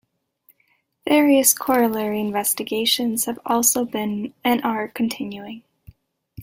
Various corollary investigations have also been and are continuing.